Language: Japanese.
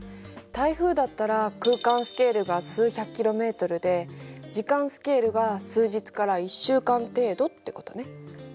台風だったら空間スケールが数百ｋｍで時間スケールが数日から１週間程度ってことね。